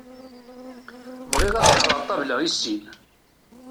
Bɣiɣ ad ḥerreɣ ṭabla i sin.